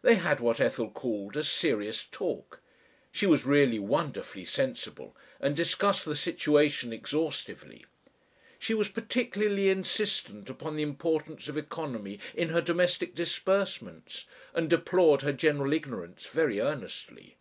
They had what Ethel called a "serious talk." She was really wonderfully sensible, and discussed the situation exhaustively. She was particularly insistent upon the importance of economy in her domestic disbursements and deplored her general ignorance very earnestly.